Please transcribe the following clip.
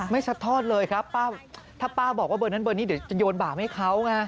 ซัดทอดเลยครับป้าถ้าป้าบอกว่าเบอร์นั้นเบอร์นี้เดี๋ยวจะโยนบาปให้เขาไง